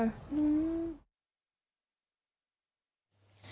น้องขอบมั้ย